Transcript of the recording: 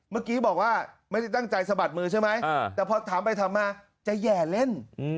เมื่อกี้บอกว่าไม่ได้ตั้งใจสะบัดมือใช่ไหมแต่พอถามไปถามมาจะแห่เล่น